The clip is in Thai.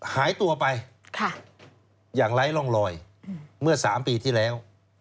หายตัวไปอย่างไร้ร่องรอยเมื่อ๓ปีที่แล้ว